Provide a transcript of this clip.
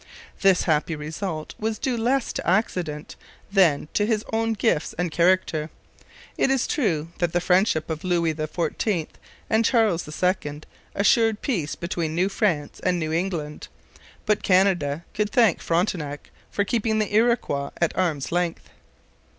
This happy result was due less to accident than to his own gifts and character. It is true that the friendship of Louis XIV and Charles II assured peace between New France and New England. But Canada could thank Frontenac for keeping the Iroquois at arm's length.